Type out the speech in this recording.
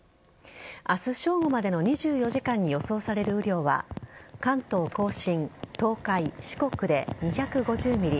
明日正午までの２４時間に予想される雨量は関東甲信、東海、四国で２５０ｍｍ